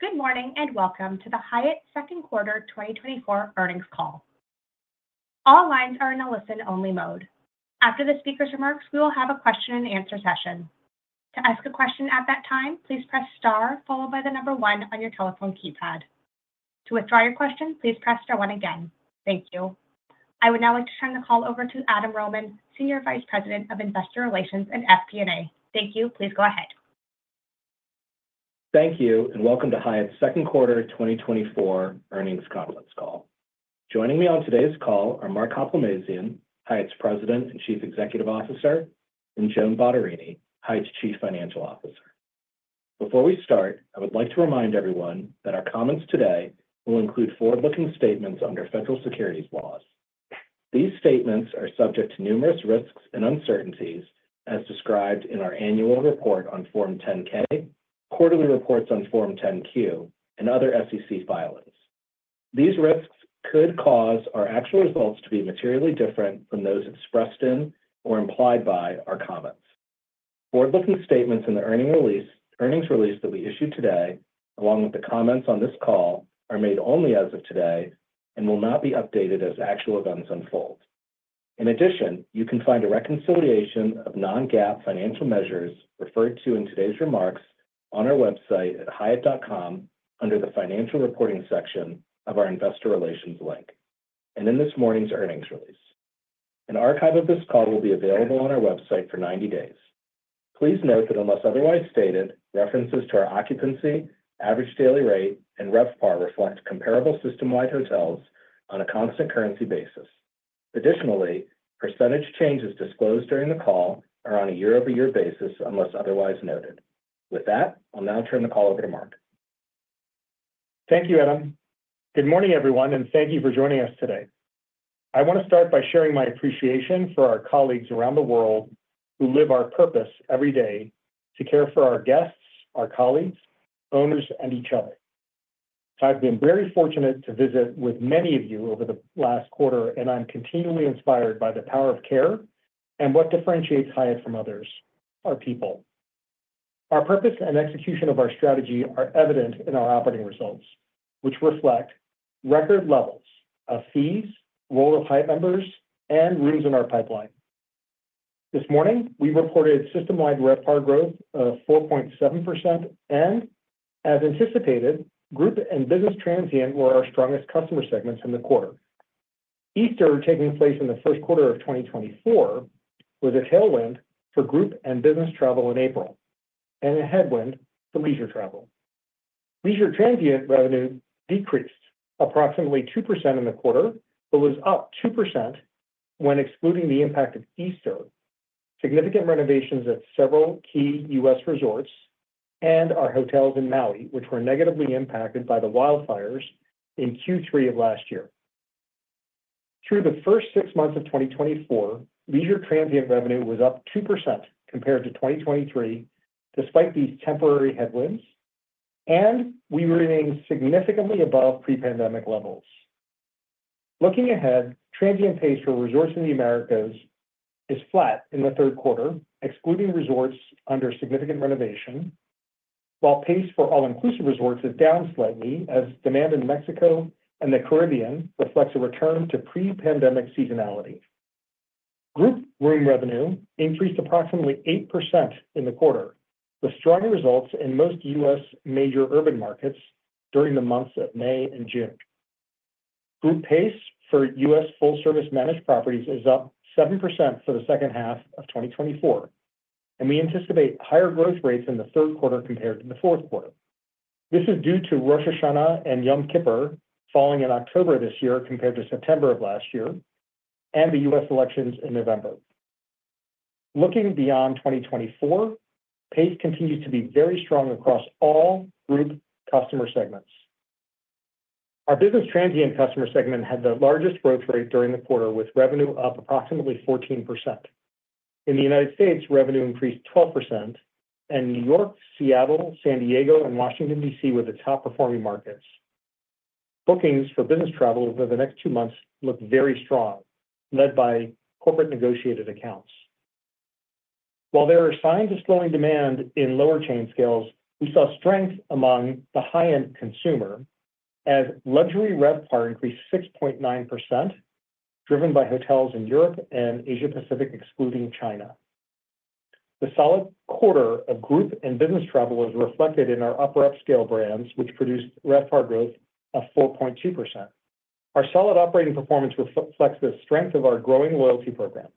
Good morning and welcome to the Hyatt second quarter 2024 earnings call. All lines are in a listen-only mode. After the speaker's remarks, we will have a question-and-answer session. To ask a question at that time, please press star followed by the number one on your telephone keypad. To withdraw your question, please press star one again. Thank you. I would now like to turn the call over to Adam Rohman, Senior Vice President of Investor Relations and FP&A. Thank you. Please go ahead. Thank you, and welcome to Hyatt's Second Quarter 2024 earnings conference call. Joining me on today's call are Mark Hoplamazian, Hyatt's President and Chief Executive Officer, and Joan Bottarini, Hyatt's Chief Financial Officer. Before we start, I would like to remind everyone that our comments today will include forward-looking statements under federal securities laws. These statements are subject to numerous risks and uncertainties, as described in our annual report on Form 10-K, quarterly reports on Form 10-Q, and other SEC filings. These risks could cause our actual results to be materially different from those expressed in or implied by our comments. Forward-looking statements in the earnings release that we issued today, along with the comments on this call, are made only as of today and will not be updated as actual events unfold. In addition, you can find a reconciliation of non-GAAP financial measures referred to in today's remarks on our website at hyatt.com under the Financial Reporting section of our Investor Relations link, and in this morning's earnings release. An archive of this call will be available on our website for 90 days. Please note that unless otherwise stated, references to our occupancy, average daily rate, and RevPAR reflect comparable system-wide hotels on a constant currency basis. Additionally, percentage changes disclosed during the call are on a year-over-year basis unless otherwise noted. With that, I'll now turn the call over to Mark. Thank you, Adam. Good morning, everyone, and thank you for joining us today. I want to start by sharing my appreciation for our colleagues around the world who live our purpose every day to care for our guests, our colleagues, owners, and each other. I've been very fortunate to visit with many of you over the last quarter, and I'm continually inspired by the power of care and what differentiates Hyatt from others: our people. Our purpose and execution of our strategy are evident in our operating results, which reflect record levels of fees, World of Hyatt members, and rooms in our pipeline. This morning, we reported system-wide RevPAR growth of 4.7% and, as anticipated, group and business transient were our strongest customer segments in the quarter. Easter taking place in the first quarter of 2024 was a tailwind for group and business travel in April and a headwind for leisure travel. Leisure transient revenue decreased approximately 2% in the quarter but was up 2% when excluding the impact of Easter, significant renovations at several key U.S. resorts, and our hotels in Maui, which were negatively impacted by the wildfires in Q3 of last year. Through the first six months of 2024, leisure transient revenue was up 2% compared to 2023, despite these temporary headwinds, and we remained significantly above pre-pandemic levels. Looking ahead, transient pace for resorts in the Americas is flat in the third quarter, excluding resorts under significant renovation, while pace for all-inclusive resorts is down slightly, as demand in Mexico and the Caribbean reflects a return to pre-pandemic seasonality. Group revenue increased approximately 8% in the quarter, with stronger results in most U.S. major urban markets during the months of May and June. Group pace for U.S. full-service managed properties is up 7% for the second half of 2024, and we anticipate higher growth rates in the third quarter compared to the fourth quarter. This is due to Rosh Hashanah and Yom Kippur falling in October this year compared to September of last year and the U.S. elections in November. Looking beyond 2024, pace continues to be very strong across all group customer segments. Our business transient customer segment had the largest growth rate during the quarter, with revenue up approximately 14%. In the United States, revenue increased 12%, and New York, Seattle, San Diego, and Washington, D.C. were the top-performing markets. Bookings for business travel over the next two months look very strong, led by corporate negotiated accounts. While there are signs of slowing demand in lower chain scales, we saw strength among the high-end consumer, as luxury RevPAR increased 6.9%, driven by hotels in Europe and Asia-Pacific, excluding China. The solid quarter of group and business travel was reflected in our upper-upscale brands, which produced RevPAR growth of 4.2%. Our solid operating performance reflects the strength of our growing loyalty program.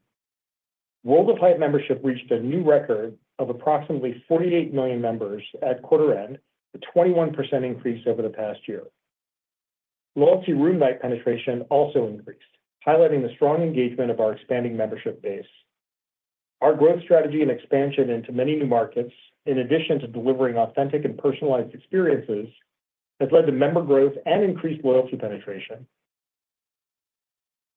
World of Hyatt membership reached a new record of approximately 48 million members at quarter-end, a 21% increase over the past year. Loyalty room night penetration also increased, highlighting the strong engagement of our expanding membership base. Our growth strategy and expansion into many new markets, in addition to delivering authentic and personalized experiences, has led to member growth and increased loyalty penetration.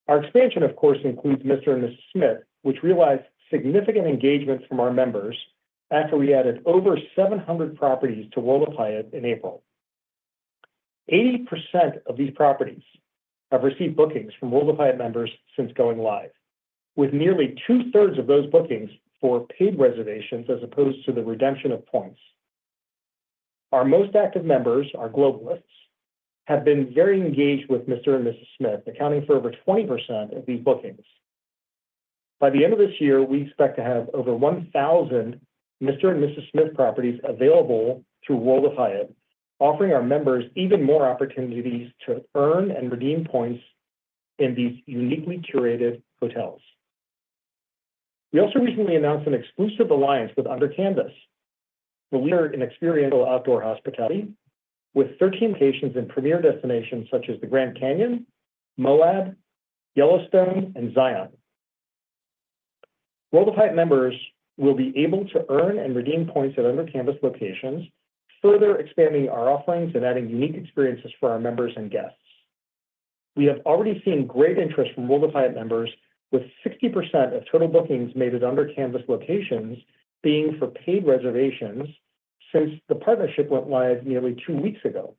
Our expansion, of course, includes Mr & Mrs Smith, which realized significant engagements from our members after we added over 700 properties to World of Hyatt in April. 80% of these properties have received bookings from World of Hyatt members since going live, with nearly two-thirds of those bookings for paid reservations as opposed to the redemption of points. Our most active members, our Globalists, have been very engaged with Mr & Mrs Smith, accounting for over 20% of these bookings. By the end of this year, we expect to have over 1,000 Mr & Mrs Smith properties available through World of Hyatt, offering our members even more opportunities to earn and redeem points in these uniquely curated hotels. We also recently announced an exclusive alliance with Under Canvas, the leader in experiential outdoor hospitality, with 13 locations in premier destinations such as the Grand Canyon, Moab, Yellowstone, and Zion. World of Hyatt members will be able to earn and redeem points at Under Canvas locations, further expanding our offerings and adding unique experiences for our members and guests. We have already seen great interest from World of Hyatt members, with 60% of total bookings made at Under Canvas locations being for paid reservations since the partnership went live nearly two weeks ago.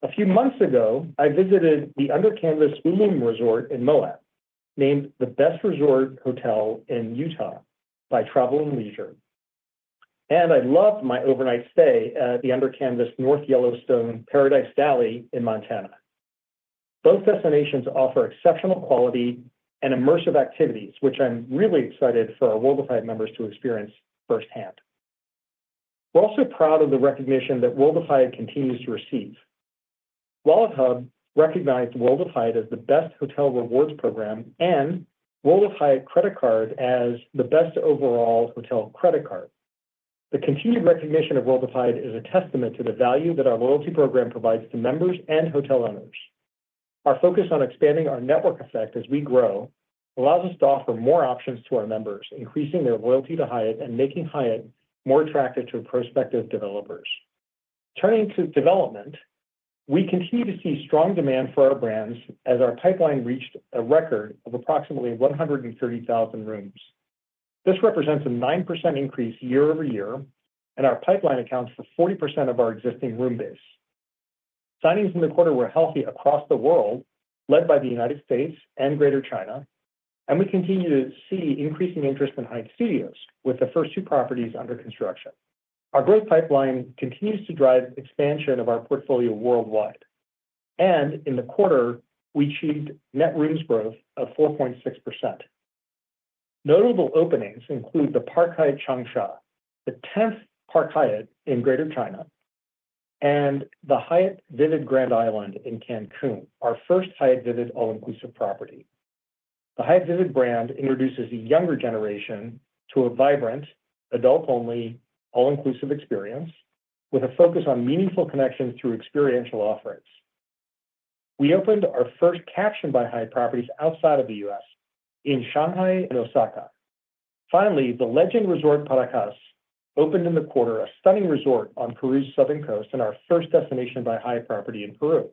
A few months ago, I visited the Under Canvas ULUM Resort in Moab, named the best resort hotel in Utah by Travel + Leisure, and I loved my overnight stay at the Under Canvas North Yellowstone - Paradise Valley in Montana. Both destinations offer exceptional quality and immersive activities, which I'm really excited for World of Hyatt members to experience firsthand. We're also proud of the recognition that World of Hyatt continues to receive. WalletHub recognized World of Hyatt as the best hotel rewards program and World of Hyatt Credit Card as the best overall hotel credit card. The continued recognition of World of Hyatt is a testament to the value that our loyalty program provides to members and hotel owners. Our focus on expanding our network effect as we grow allows us to offer more options to our members, increasing their loyalty to Hyatt and making Hyatt more attractive to prospective developers. Turning to development, we continue to see strong demand for our brands as our pipeline reached a record of approximately 130,000 rooms. This represents a 9% increase year-over-year, and our pipeline accounts for 40% of our existing room base. Signings in the quarter were healthy across the world, led by the United States and Greater China, and we continue to see increasing interest in Hyatt Studios, with the first two properties under construction. Our growth pipeline continues to drive expansion of our portfolio worldwide, and in the quarter, we achieved net rooms growth of 4.6%. Notable openings include the Park Hyatt Changsha, the 10th Park Hyatt in Greater China, and the Hyatt Vivid Grand Island in Cancun, our first Hyatt Vivid all-inclusive property. The Hyatt Vivid brand introduces the younger generation to a vibrant, adult-only all-inclusive experience with a focus on meaningful connections through experiential offerings. We opened our first Caption by Hyatt properties outside of the U.S. in Shanghai and Osaka. Finally, The Legend Paracas Resort opened in the quarter, a stunning resort on Peru's southern coast and our first Destination by Hyatt property in Peru.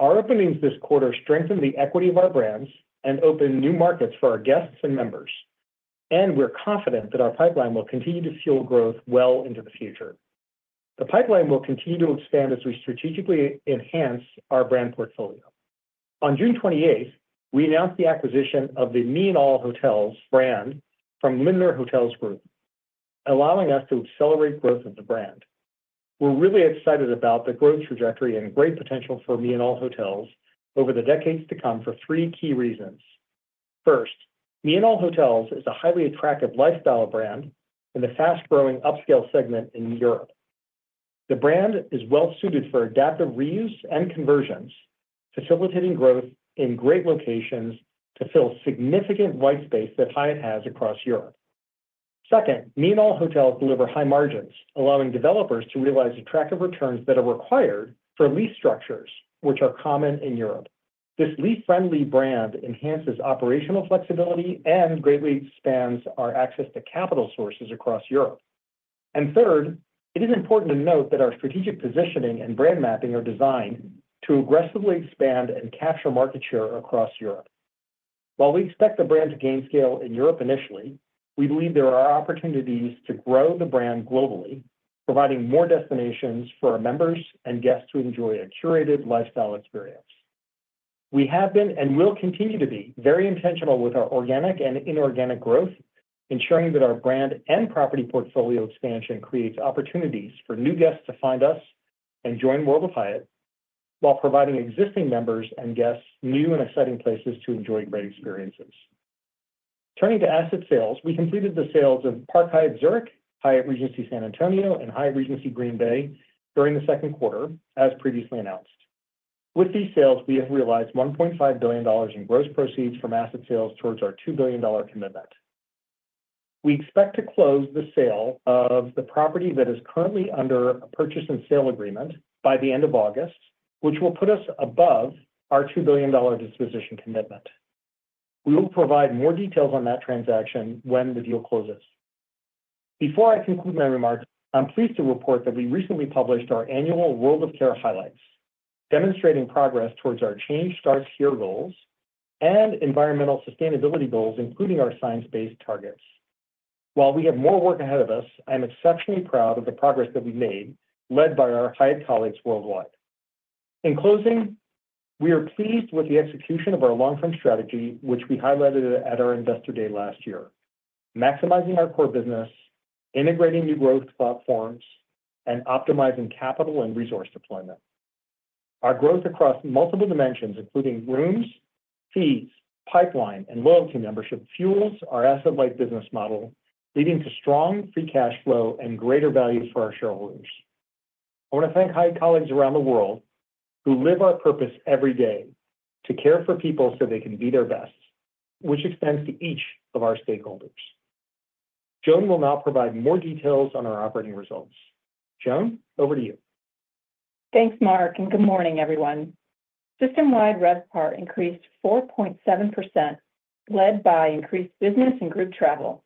Our openings this quarter strengthen the equity of our brands and open new markets for our guests and members, and we're confident that our pipeline will continue to fuel growth well into the future. The pipeline will continue to expand as we strategically enhance our brand portfolio. On June 28th, we announced the acquisition of the me and all hotels brand from Lindner Hotel Group, allowing us to accelerate growth of the brand. We're really excited about the growth trajectory and great potential for me and all hotels over the decades to come for three key reasons. First, me and all hotels is a highly attractive lifestyle brand in the fast-growing upscale segment in Europe. The brand is well-suited for adaptive reuse and conversions, facilitating growth in great locations to fill significant white space that Hyatt has across Europe. Second, me and all hotels deliver high margins, allowing developers to realize attractive returns that are required for lease structures, which are common in Europe. This lease-friendly brand enhances operational flexibility and greatly expands our access to capital sources across Europe. And third, it is important to note that our strategic positioning and brand mapping are designed to aggressively expand and capture market share across Europe. While we expect the brand to gain scale in Europe initially, we believe there are opportunities to grow the brand globally, providing more destinations for our members and guests to enjoy a curated lifestyle experience. We have been and will continue to be very intentional with our organic and inorganic growth, ensuring that our brand and property portfolio expansion creates opportunities for new guests to find us and join World of Hyatt while providing existing members and guests new and exciting places to enjoy great experiences. Turning to asset sales, we completed the sales of Park Hyatt Zurich, Hyatt Regency San Antonio, and Hyatt Regency Green Bay during the second quarter, as previously announced. With these sales, we have realized $1.5 billion in gross proceeds from asset sales towards our $2 billion commitment. We expect to close the sale of the property that is currently under a purchase and sale agreement by the end of August, which will put us above our $2 billion disposition commitment. We will provide more details on that transaction when the deal closes. Before I conclude my remarks, I'm pleased to report that we recently published our annual World of Care Highlights, demonstrating progress towards our Change Starts Here goals and environmental sustainability goals, including our science-based targets. While we have more work ahead of us, I'm exceptionally proud of the progress that we've made, led by our Hyatt colleagues worldwide. In closing, we are pleased with the execution of our long-term strategy, which we highlighted at our investor day last year, maximizing our core business, integrating new growth platforms, and optimizing capital and resource deployment. Our growth across multiple dimensions, including rooms, fees, pipeline, and loyalty membership, fuels our asset-light business model, leading to strong free cash flow and greater value for our shareholders. I want to thank Hyatt colleagues around the world who live our purpose every day to care for people so they can be their best, which extends to each of our stakeholders. Joan will now provide more details on our operating results. Joan, over to you. Thanks, Mark, and good morning, everyone. System-wide RevPAR increased 4.7%, led by increased business and group travel.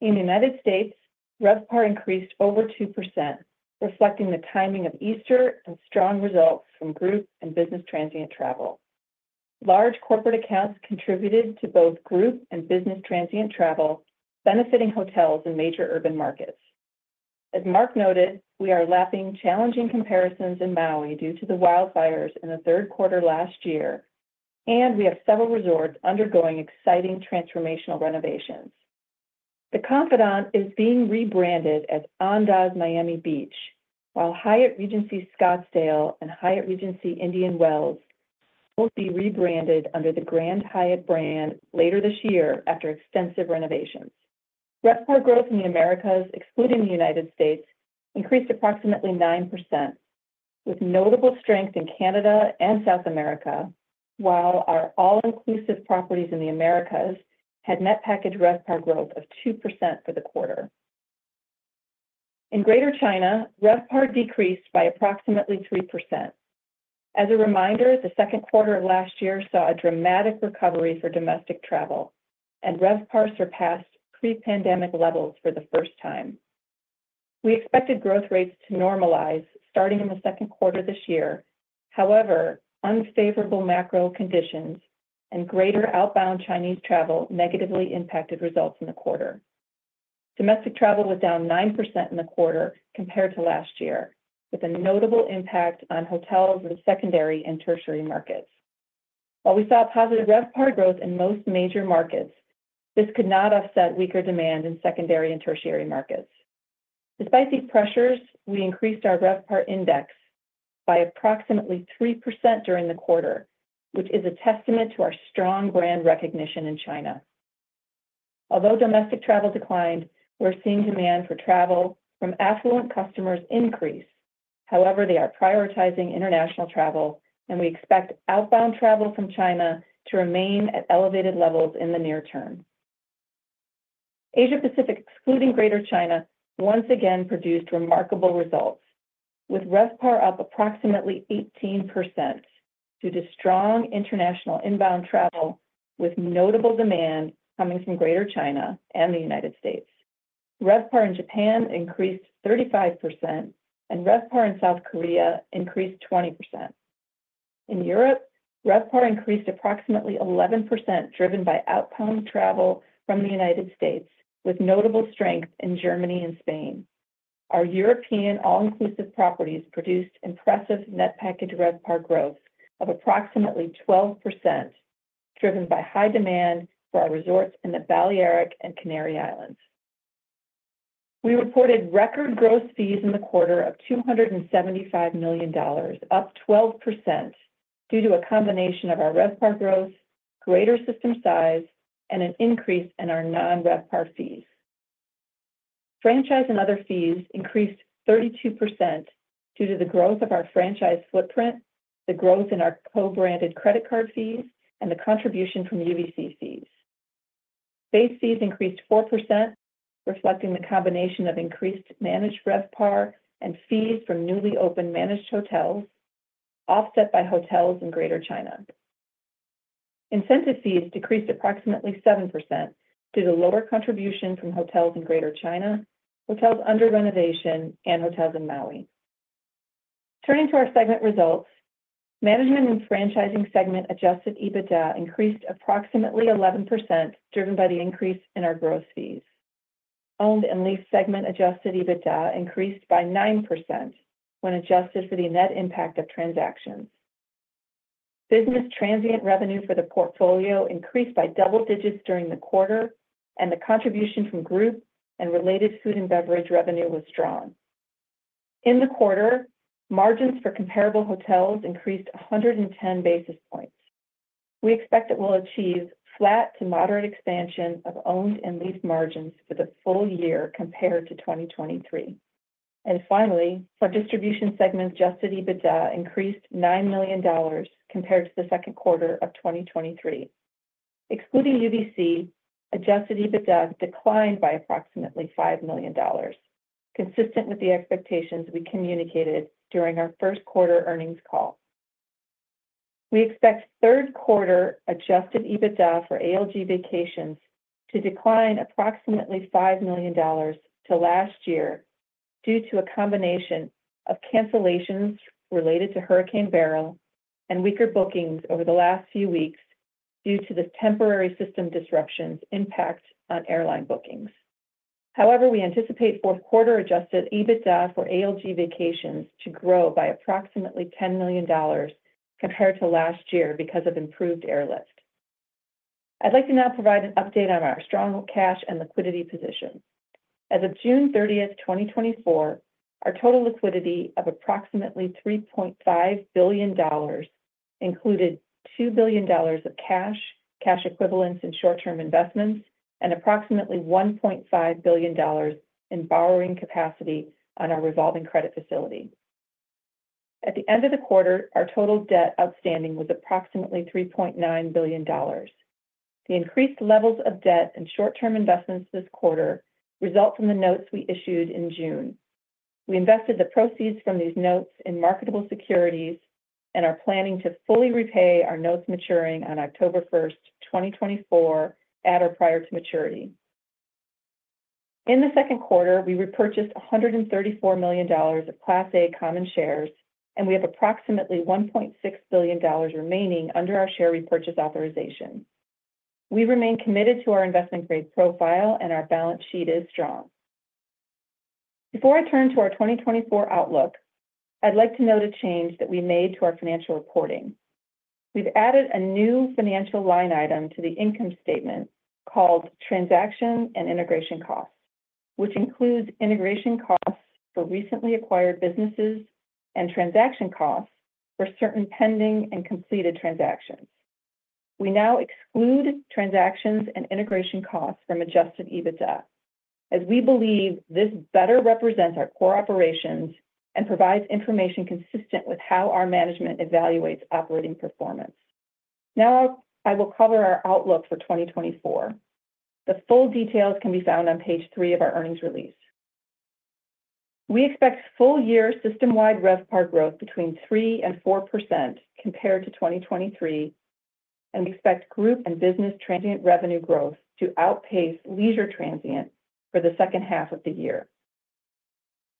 In the United States, RevPAR increased over 2%, reflecting the timing of Easter and strong results from group and business transient travel. Large corporate accounts contributed to both group and business transient travel, benefiting hotels in major urban markets. As Mark noted, we are lapping challenging comparisons in Maui due to the wildfires in the third quarter last year, and we have several resorts undergoing exciting transformational renovations. The Confidante is being rebranded as Andaz Miami Beach, while Hyatt Regency Scottsdale and Hyatt Regency Indian Wells will be rebranded under the Grand Hyatt brand later this year after extensive renovations. RevPAR growth in the Americas, excluding the United States, increased approximately 9%, with notable strength in Canada and South America, while our all-inclusive properties in the Americas had net package RevPAR growth of 2% for the quarter. In Greater China, RevPAR decreased by approximately 3%. As a reminder, the second quarter of last year saw a dramatic recovery for domestic travel, and RevPAR surpassed pre-pandemic levels for the first time. We expected growth rates to normalize starting in the second quarter this year. However, unfavorable macro conditions and greater outbound Chinese travel negatively impacted results in the quarter. Domestic travel was down 9% in the quarter compared to last year, with a notable impact on hotels in the secondary and tertiary markets. While we saw positive RevPAR growth in most major markets, this could not offset weaker demand in secondary and tertiary markets. Despite these pressures, we increased our RevPAR index by approximately 3% during the quarter, which is a testament to our strong brand recognition in China. Although domestic travel declined, we're seeing demand for travel from affluent customers increase. However, they are prioritizing international travel, and we expect outbound travel from China to remain at elevated levels in the near term. Asia-Pacific, excluding Greater China, once again produced remarkable results, with RevPAR up approximately 18% due to strong international inbound travel, with notable demand coming from Greater China and the United States. RevPAR in Japan increased 35%, and RevPAR in South Korea increased 20%. In Europe, RevPAR increased approximately 11%, driven by outbound travel from the United States, with notable strength in Germany and Spain. Our European all-inclusive properties produced impressive net package RevPAR growth of approximately 12%, driven by high demand for our resorts in the Balearic and Canary Islands. We reported record gross fees in the quarter of $275 million, up 12% due to a combination of our RevPAR growth, greater system size, and an increase in our non-RevPAR fees. Franchise and other fees increased 32% due to the growth of our franchise footprint, the growth in our co-branded credit card fees, and the contribution from UVC fees. Base fees increased 4%, reflecting the combination of increased managed RevPAR and fees from newly opened managed hotels, offset by hotels in Greater China. Incentive fees decreased approximately 7% due to lower contribution from hotels in Greater China, hotels under renovation, and hotels in Maui. Turning to our segment results, management and franchising segment adjusted EBITDA increased approximately 11%, driven by the increase in our gross fees. Owned and leased segment adjusted EBITDA increased by 9% when adjusted for the net impact of transactions. Business transient revenue for the portfolio increased by double digits during the quarter, and the contribution from group and related food and beverage revenue was strong. In the quarter, margins for comparable hotels increased 110 basis points. We expect that we'll achieve flat to moderate expansion of owned and leased margins for the full year compared to 2023. And finally, sub-distribution segment adjusted EBITDA increased $9 million compared to the second quarter of 2023. Excluding UVC, adjusted EBITDA declined by approximately $5 million, consistent with the expectations we communicated during our first quarter earnings call. We expect third quarter adjusted EBITDA for ALG Vacations to decline approximately $5 million to last year due to a combination of cancellations related to Hurricane Beryl and weaker bookings over the last few weeks due to the temporary system disruptions impact on airline bookings. However, we anticipate fourth quarter adjusted EBITDA for ALG Vacations to grow by approximately $10 million compared to last year because of improved airlift. I'd like to now provide an update on our strong cash and liquidity position. As of June 30th, 2024, our total liquidity of approximately $3.5 billion included $2 billion of cash, cash equivalents in short-term investments, and approximately $1.5 billion in borrowing capacity on our revolving credit facility. At the end of the quarter, our total debt outstanding was approximately $3.9 billion. The increased levels of debt and short-term investments this quarter result from the notes we issued in June. We invested the proceeds from these notes in marketable securities and are planning to fully repay our notes maturing on October 1st, 2024, at or prior to maturity. In the second quarter, we repurchased $134 million of Class A common shares, and we have approximately $1.6 billion remaining under our share repurchase authorization. We remain committed to our investment grade profile, and our balance sheet is strong. Before I turn to our 2024 outlook, I'd like to note a change that we made to our financial reporting. We've added a new financial line item to the income statement called transaction and integration costs, which includes integration costs for recently acquired businesses and transaction costs for certain pending and completed transactions. We now exclude transactions and integration costs from adjusted EBITDA, as we believe this better represents our core operations and provides information consistent with how our management evaluates operating performance. Now, I will cover our outlook for 2024. The full details can be found on page three of our earnings release. We expect full-year system-wide RevPAR growth between 3% and 4% compared to 2023, and we expect group and business transient revenue growth to outpace leisure transient for the second half of the year.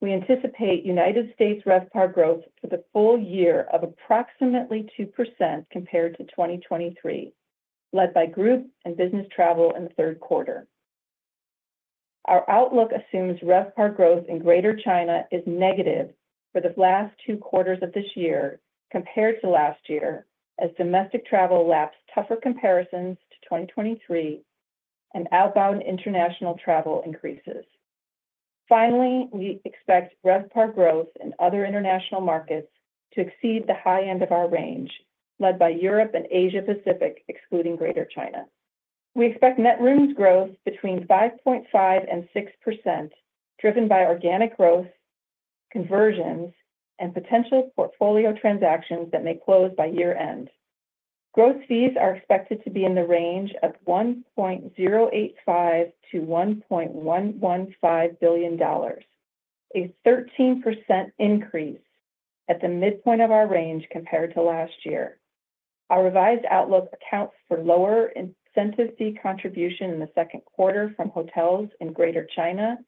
We anticipate United States RevPAR growth for the full year of approximately 2% compared to 2023, led by group and business travel in the third quarter. Our outlook assumes RevPAR growth in Greater China is negative for the last two quarters of this year compared to last year, as domestic travel laps tougher comparisons to 2023 and outbound international travel increases. Finally, we expect RevPAR growth in other international markets to exceed the high end of our range, led by Europe and Asia Pacific, excluding Greater China. We expect net rooms growth between 5.5%-6%, driven by organic growth, conversions, and potential portfolio transactions that may close by year-end. Gross fees are expected to be in the range of $1.085 billion-$1.115 billion, a 13% increase at the midpoint of our range compared to last year. Our revised outlook accounts for lower incentive fee contribution in the second quarter from hotels in Greater China,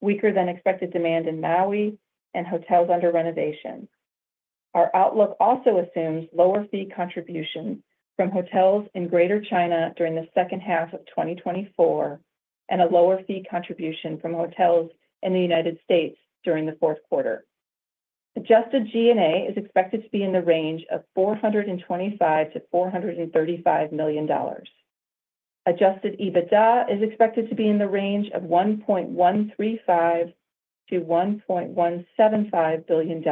weaker than expected demand in Maui, and hotels under renovation. Our outlook also assumes lower fee contribution from hotels in Greater China during the second half of 2024 and a lower fee contribution from hotels in the United States during the fourth quarter. Adjusted G&A is expected to be in the range of $425 million-$435 million. Adjusted EBITDA is expected to be in the range of $1.135 billion-$1.175 billion,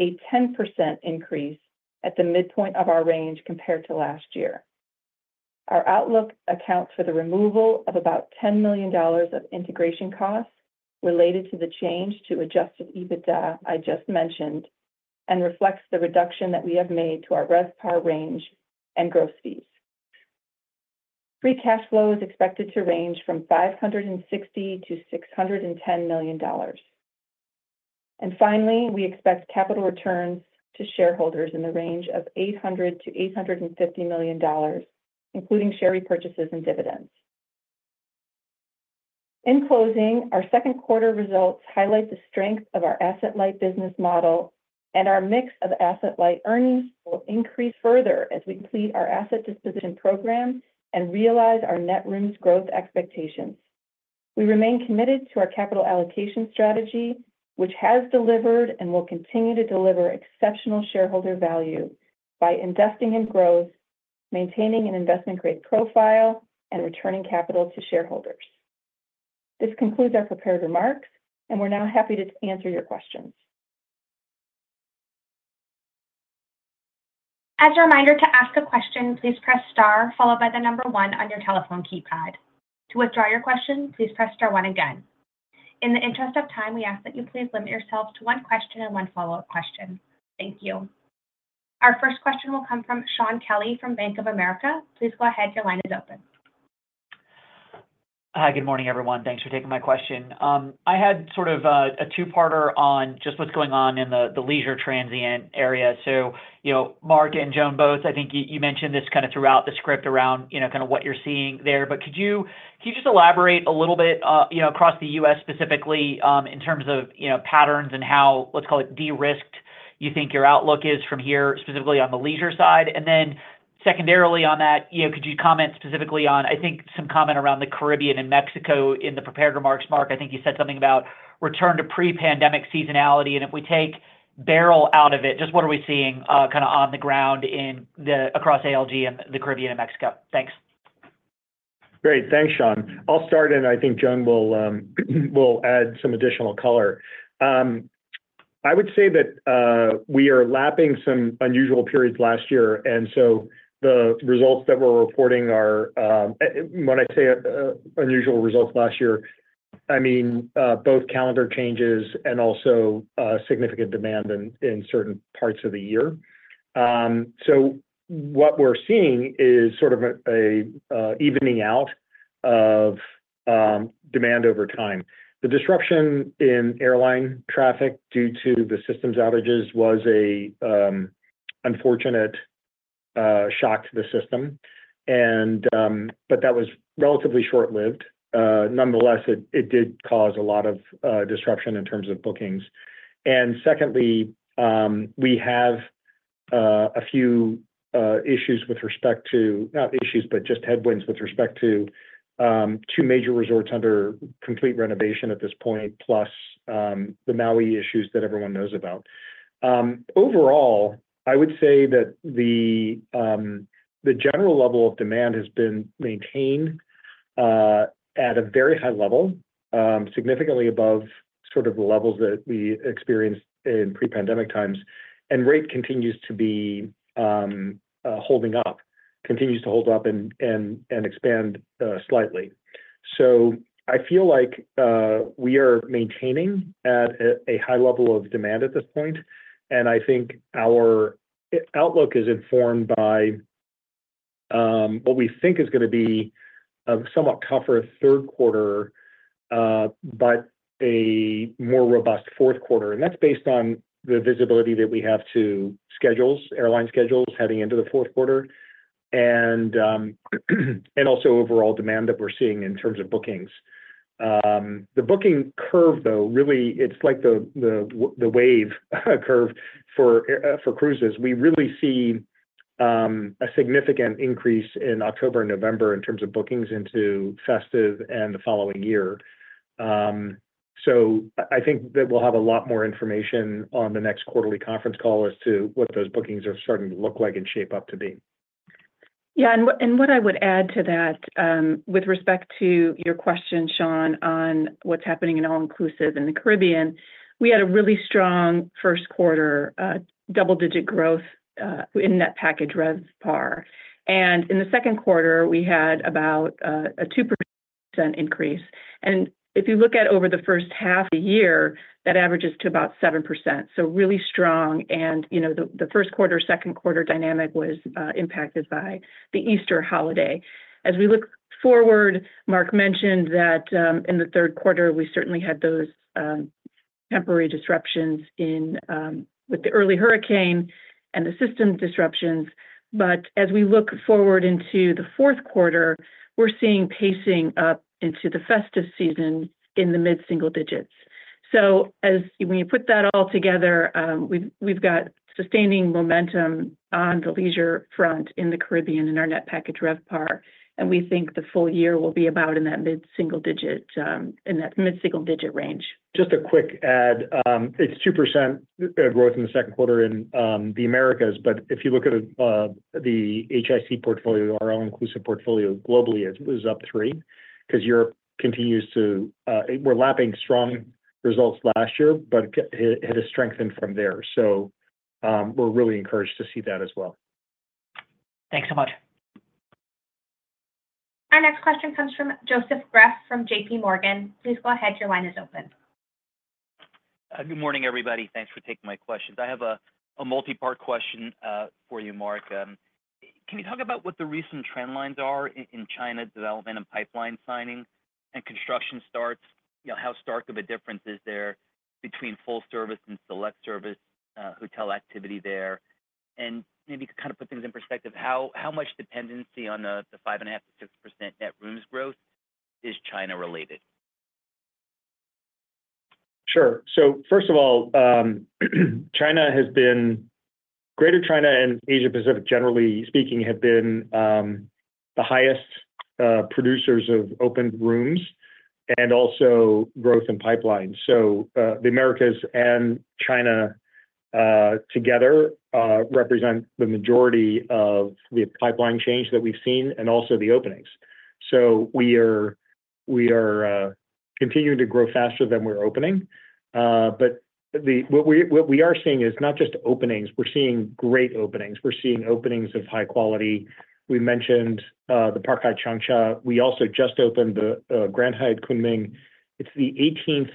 a 10% increase at the midpoint of our range compared to last year. Our outlook accounts for the removal of about $10 million of integration costs related to the change to adjusted EBITDA I just mentioned and reflects the reduction that we have made to our RevPAR range and gross fees. Free cash flow is expected to range from $560 million-$610 million. And finally, we expect capital returns to shareholders in the range of $800 million-$850 million, including share repurchases and dividends. In closing, our second quarter results highlight the strength of our asset-light business model, and our mix of asset-light earnings will increase further as we complete our asset disposition program and realize our net rooms growth expectations. We remain committed to our capital allocation strategy, which has delivered and will continue to deliver exceptional shareholder value by investing in growth, maintaining an investment grade profile, and returning capital to shareholders. This concludes our prepared remarks, and we're now happy to answer your questions. As a reminder to ask a question, please press star followed by the number one on your telephone keypad. To withdraw your question, please press star one again. In the interest of time, we ask that you please limit yourself to one question and one follow-up question. Thank you. Our first question will come from Shaun Kelley from Bank of America. Please go ahead. Your line is open. Hi, good morning, everyone. Thanks for taking my question. I had sort of a two-parter on just what's going on in the leisure transient area. So, you know, Mark and Joan both, I think you mentioned this kind of throughout the script around, you know, kind of what you're seeing there. But could you just elaborate a little bit, you know, across the U.S. specifically in terms of, you know, patterns and how, let's call it de-risked, you think your outlook is from here specifically on the leisure side? And then secondarily on that, you know, could you comment specifically on, I think, some comment around the Caribbean and Mexico in the prepared remarks, Mark? I think you said something about return to pre-pandemic seasonality. And if we take Beryl out of it, just what are we seeing kind of on the ground across ALG and the Caribbean and Mexico? Thanks. Great. Thanks, Shaun. I'll start, and I think Joan will add some additional color. I would say that we are lapping some unusual periods last year. And so the results that we're reporting are, when I say unusual results last year, I mean both calendar changes and also significant demand in certain parts of the year. So what we're seeing is sort of an evening out of demand over time. The disruption in airline traffic due to the systems outages was an unfortunate shock to the system, but that was relatively short-lived. Nonetheless, it did cause a lot of disruption in terms of bookings. Secondly, we have a few issues with respect to, not issues, but just headwinds with respect to two major resorts under complete renovation at this point, plus the Maui issues that everyone knows about. Overall, I would say that the general level of demand has been maintained at a very high level, significantly above sort of the levels that we experienced in pre-pandemic times, and rate continues to be holding up, continues to hold up and expand slightly. I feel like we are maintaining at a high level of demand at this point, and I think our outlook is informed by what we think is going to be a somewhat tougher third quarter, but a more robust fourth quarter. That's based on the visibility that we have to airline schedules heading into the fourth quarter and also overall demand that we're seeing in terms of bookings. The booking curve, though, really, it's like the wave curve for cruises. We really see a significant increase in October and November in terms of bookings into festive and the following year. So I think that we'll have a lot more information on the next quarterly conference call as to what those bookings are starting to look like and shape up to be. Yeah, and what I would add to that with respect to your question, Sean, on what's happening in all-inclusive in the Caribbean, we had a really strong first quarter double-digit growth in Net Package RevPAR. And in the second quarter, we had about a 2% increase. And if you look at over the first half of the year, that averages to about 7%. So really strong. And, you know, the first quarter, second quarter dynamic was impacted by the Easter holiday. As we look forward, Mark mentioned that in the third quarter, we certainly had those temporary disruptions with the early hurricane and the system disruptions. But as we look forward into the fourth quarter, we're seeing pacing up into the festive season in the mid-single digits. So as we put that all together, we've got sustaining momentum on the leisure front in the Caribbean and our Net Package RevPAR. And we think the full year will be about in that mid-single digit, in that mid-single digit range. Just a quick add. It's 2% growth in the second quarter in the Americas, but if you look at the HIC portfolio, our all-inclusive portfolio globally is up 3% because Europe continues to, we're lapping strong results last year, but it has strengthened from there. So we're really encouraged to see that as well. Thanks so much. Our next question comes from Joseph Greff from J.P. Morgan. Please go ahead. Your line is open. Good morning, everybody. Thanks for taking my questions. I have a multi-part question for you, Mark. Can you talk about what the recent trend lines are in China development and pipeline signing and construction starts? You know, how stark of a difference is there between full service and select service hotel activity there? And maybe kind of put things in perspective, how much dependency on the 5.5%-6% net rooms growth is China related? Sure. So first of all, China has been, Greater China and Asia-Pacific, generally speaking, have been the highest producers of open rooms and also growth in pipelines. So the Americas and China together represent the majority of the pipeline change that we've seen and also the openings. So we are continuing to grow faster than we're opening. But what we are seeing is not just openings. We're seeing great openings. We're seeing openings of high quality. We mentioned the Park Hyatt Changsha. We also just opened the Grand Hyatt Kunming. It's the 18th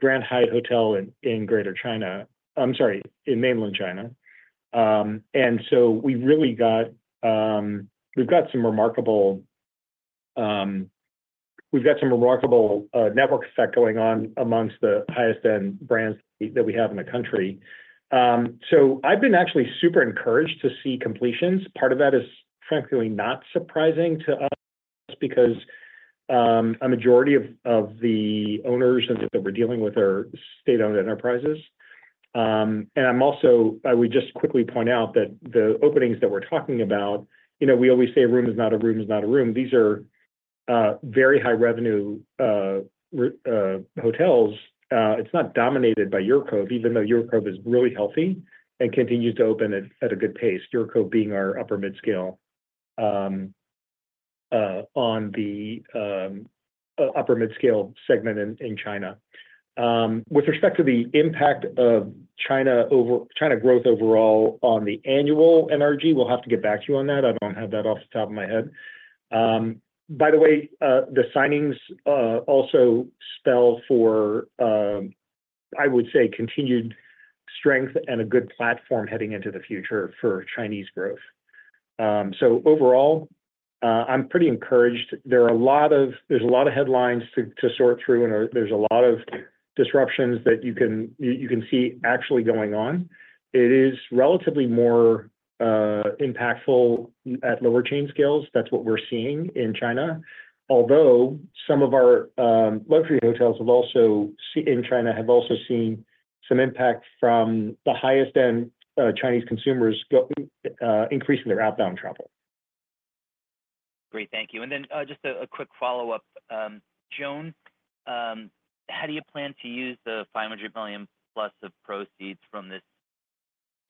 Grand Hyatt hotel in Greater China. I'm sorry, in mainland China. And so we've got some remarkable network effect going on amongst the highest-end brands that we have in the country. So I've been actually super encouraged to see completions. Part of that is frankly not surprising to us because a majority of the owners that we're dealing with are state-owned enterprises. And I'm also, I would just quickly point out that the openings that we're talking about, you know, we always say a room is not a room is not a room. These are very high revenue hotels. It's not dominated by UrCove, even though UrCove is really healthy and continues to open at a good pace. UrCove being our Upper Midscale in the Upper Midscale segment in China. With respect to the impact of China growth overall on the annual NRG, we'll have to get back to you on that. I don't have that off the top of my head. By the way, the signings also spell for, I would say, continued strength and a good platform heading into the future for Chinese growth. So overall, I'm pretty encouraged. There are a lot of, there's a lot of headlines to sort through, and there's a lot of disruptions that you can see actually going on. It is relatively more impactful at lower chain scales. That's what we're seeing in China. Although some of our luxury hotels in China have also seen some impact from the highest-end Chinese consumers increasing their outbound travel. Great. Thank you. And then just a quick follow-up, Joan, how do you plan to use the $500 million-plus of proceeds from this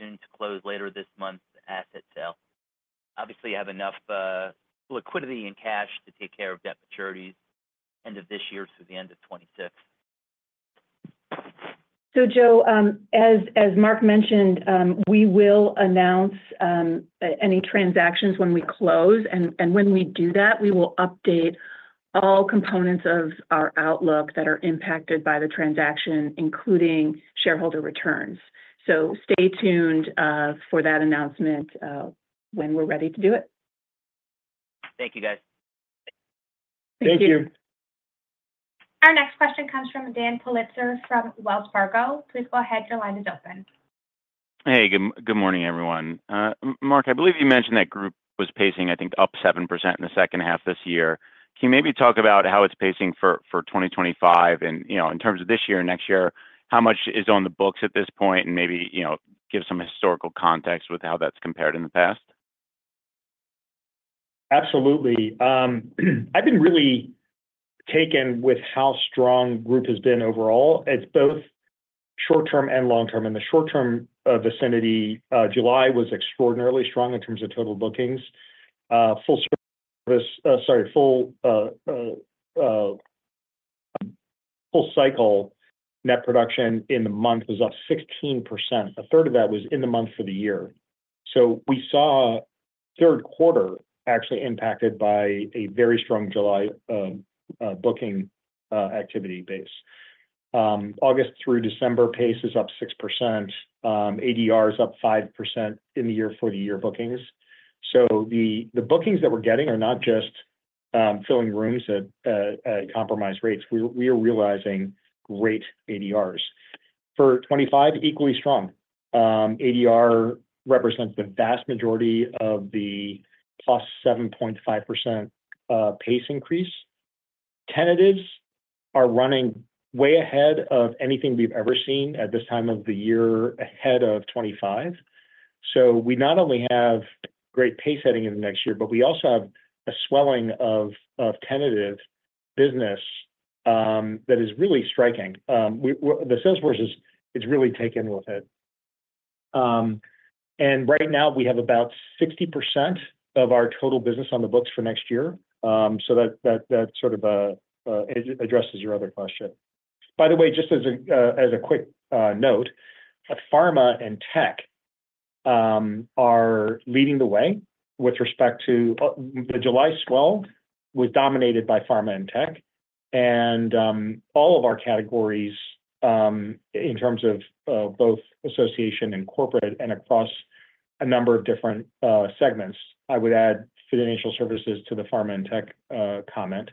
to close later this month’s asset sale? Obviously, you have enough liquidity and cash to take care of debt maturities end of this year through the end of 2026. So, Joe, as Mark mentioned, we will announce any transactions when we close. And when we do that, we will update all components of our outlook that are impacted by the transaction, including shareholder returns. So stay tuned for that announcement when we’re ready to do it. Thank you, guys. Thank you. Thank you. Our next question comes from Daniel Politzer from Wells Fargo. Please go ahead. Your line is open. Hey, good morning, everyone. Mark, I believe you mentioned that group was pacing, I think, up 7% in the second half this year. Can you maybe talk about how it's pacing for 2025? And, you know, in terms of this year and next year, how much is on the books at this point? And maybe, you know, give some historical context with how that's compared in the past? Absolutely. I've been really taken with how strong group has been overall. It's both short-term and long-term. In the short-term vicinity, July was extraordinarily strong in terms of total bookings. Full service, sorry, full-cycle net production in the month was up 16%. 1/3 of that was in the month for the year. So we saw third quarter actually impacted by a very strong July booking activity base. August through December pace is up 6%. ADR is up 5% in the year-over-year bookings. So the bookings that we're getting are not just filling rooms at compromised rates. We are realizing great ADRs. For 2025, equally strong. ADR represents the vast majority of the cost; 7.5% pace increase. Tentatives are running way ahead of anything we've ever seen at this time of the year, ahead of 2025. So we not only have great pace heading in the next year, but we also have a swelling of tentative business that is really striking. The sales force is really taken with it. And right now, we have about 60% of our total business on the books for next year. So that sort of addresses your other question. By the way, just as a quick note, pharma and tech are leading the way with respect to the July we dominated by pharma and tech. And all of our categories in terms of both association and corporate and across a number of different segments, I would add financial services to the pharma and tech comment,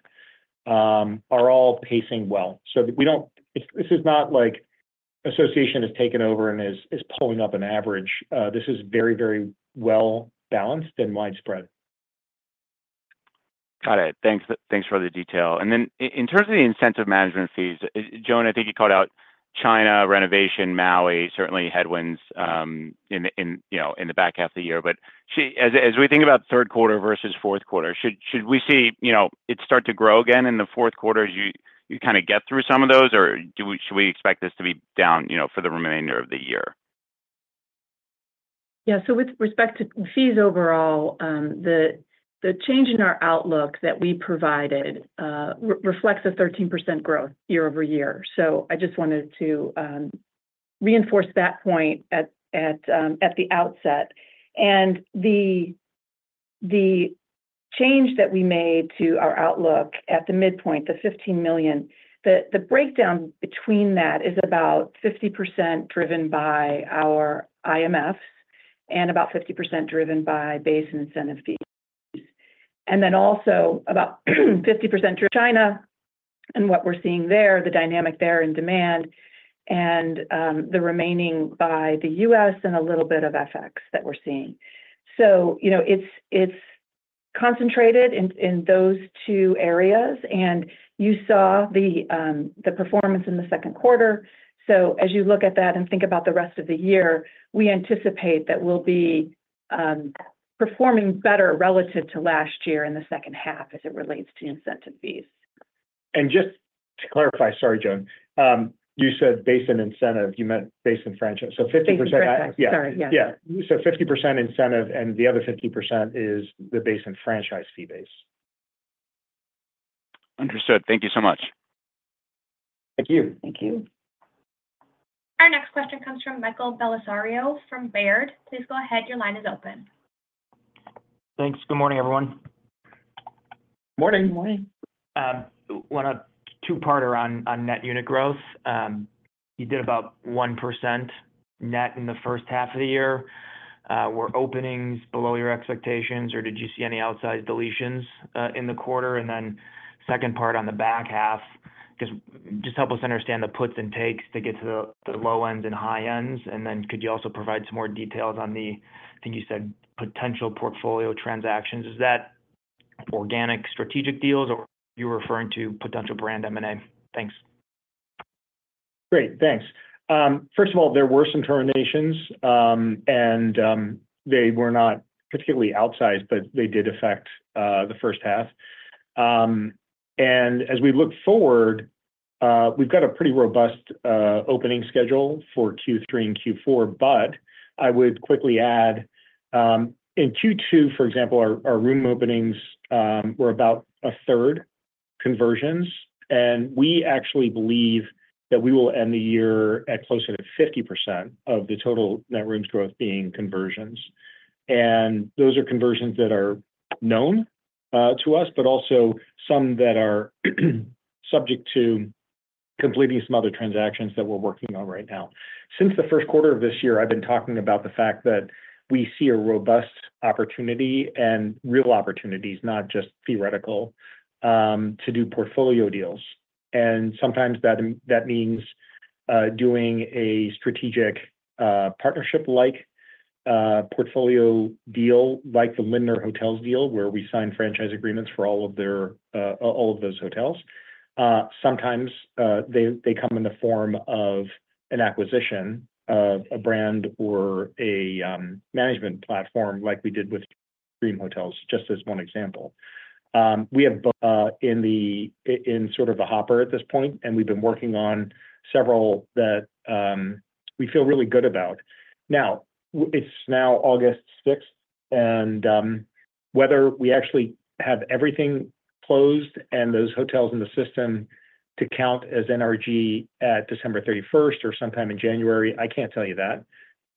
are all pacing well. So this is not like association is taken over and is pulling up an average. This is very, very well balanced and widespread. Got it. Thanks for the detail. And then in terms of the incentive management fees, Joan, I think you called out China, renovation, Maui, certainly headwinds in the back half of the year. But as we think about third quarter versus fourth quarter, should we see, you know, it start to grow again in the fourth quarter as you kind of get through some of those, or should we expect this to be down, you know, for the remainder of the year? Yeah, so with respect to fees overall, the change in our outlook that we provided reflects a 13% growth year-over-year. I just wanted to reinforce that point at the outset. The change that we made to our outlook at the midpoint, the $15 million, the breakdown between that is about 50% driven by our IMF and about 50% driven by base and incentive fees. And then also about 50% China and what we're seeing there, the dynamic there in demand and the remainder by the U.S. and a little bit of FX that we're seeing. So, you know, it's concentrated in those two areas. And you saw the performance in the second quarter. So as you look at that and think about the rest of the year, we anticipate that we'll be performing better relative to last year in the second half as it relates to incentive fees. And just to clarify, sorry, Joan, you said base and incentive. You meant base and franchise. So 50%. Yeah, sorry. Yeah. So 50% incentive and the other 50% is the base and franchise fee base. Understood. Thank you so much. Thank you. Thank you. Our next question comes from Michael Bellisario from Baird. Please go ahead. Your line is open. Thanks. Good morning, everyone. Morning. Good morning. Want to two-parter on net unit growth. You did about 1% net in the first half of the year. Were openings below your expectations, or did you see any outsized deletions in the quarter? And then second part on the back half, just help us understand the puts and takes to get to the low ends and high ends. And then could you also provide some more details on the, I think you said, potential portfolio transactions? Is that organic strategic deals, or are you referring to potential brand M&A? Thanks. Great. Thanks. First of all, there were some terminations, and they were not particularly outsized, but they did affect the first half. And as we look forward, we've got a pretty robust opening schedule for Q3 and Q4. But I would quickly add, in Q2, for example, our room openings were about a third conversions. And we actually believe that we will end the year at closer to 50% of the total net rooms growth being conversions. And those are conversions that are known to us, but also some that are subject to completing some other transactions that we're working on right now. Since the first quarter of this year, I've been talking about the fact that we see a robust opportunity and real opportunities, not just theoretical, to do portfolio deals. And sometimes that means doing a strategic partnership-like portfolio deal, like the Lindner Hotels deal, where we sign franchise agreements for all of those hotels. Sometimes they come in the form of an acquisition of a brand or a management platform like we did with Dream Hotels, just as one example. We have in the hopper at this point, and we've been working on several that we feel really good about. Now, it's now August 6th, and whether we actually have everything closed and those hotels in the system to count as NRG at December 31st or sometime in January, I can't tell you that.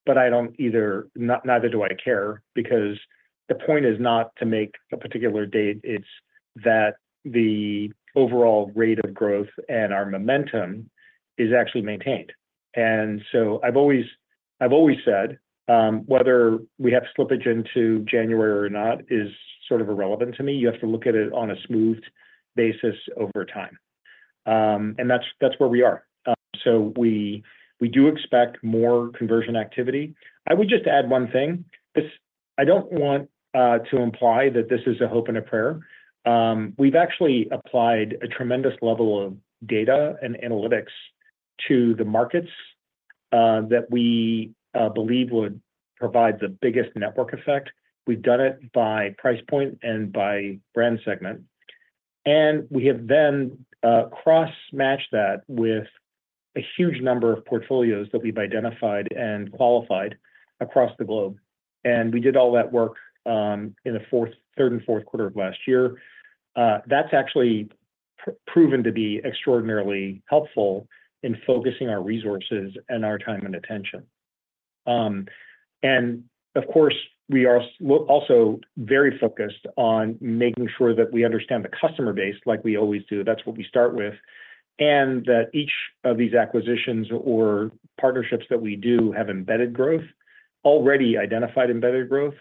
But I don't either, neither do I care, because the point is not to make a particular date. It's that the overall rate of growth and our momentum is actually maintained. And so I've always said, whether we have to slip it into January or not is sort of irrelevant to me. You have to look at it on a smooth basis over time. And that's where we are. So we do expect more conversion activity. I would just add one thing. I don't want to imply that this is a hope and a prayer. We've actually applied a tremendous level of data and analytics to the markets that we believe would provide the biggest network effect. We've done it by price point and by brand segment. We have then cross-matched that with a huge number of portfolios that we've identified and qualified across the globe. We did all that work in the third and fourth quarter of last year. That's actually proven to be extraordinarily helpful in focusing our resources and our time and attention. Of course, we are also very focused on making sure that we understand the customer base like we always do. That's what we start with. That each of these acquisitions or partnerships that we do have embedded growth, already identified embedded growth,